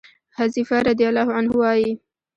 حذيفه رضي الله عنه وايي: